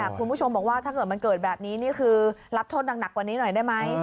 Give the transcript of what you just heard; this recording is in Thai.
คุณผู้ชมบอกว่าถ้าเกิดแบบนี้รับทนหนักกว่านี้หน่อยได้ไหม